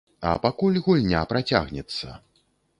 А пакуль гульня працягнецца.